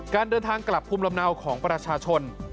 การเดินทางกลับภูมิลำเนาของประชาชน